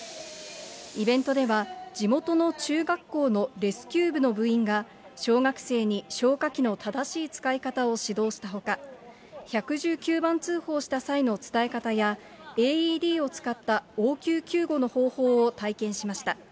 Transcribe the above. イベントでは、地元の中学校のレスキュー部の部員が、小学生に消火器の正しい使い方を指導したほか、１１９番通報した際の伝え方や、ＡＥＤを使った応急救護の方法を体験しました。